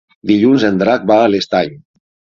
Dilluns en Drac va a l'Estany.